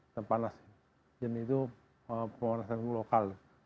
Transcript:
yang itu pemanasan lokal